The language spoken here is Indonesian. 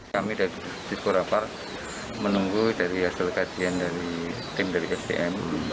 kami dari tikurapar menunggu dari hasil kajian dari tim dari sdm